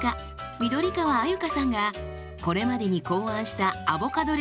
緑川鮎香さんがこれまでに考案したアボカドレシピ